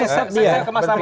saya kemas sama dulu